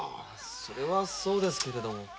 それはそうですけれど。